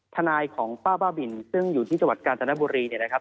ทนายของป้าบ้าบินซึ่งอยู่ที่จังหวัดกาญจนบุรีเนี่ยนะครับ